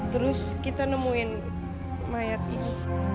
terus kita nemuin mayat ini